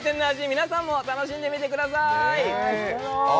皆さんも楽しんでください